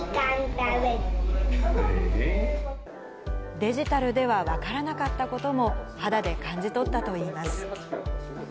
デジタルでは分からなかったことも、肌で感じ取ったといいます。